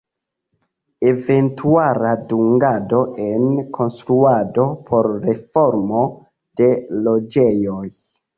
Eventuala dungado en konstruado por reformo de loĝejoj.